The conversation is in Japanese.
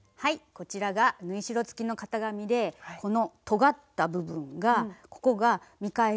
こちらが縫い代つきの型紙でこのとがった部分がここが「見返し」といいます。